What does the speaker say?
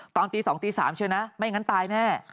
ตอนตี๒๓ชัยนะไม่อย่างนั้นตายแม่